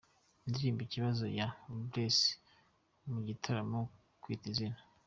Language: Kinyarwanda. Indirimbo Ikibazo ya The Bless, mu gitaramo Kwita Izina:.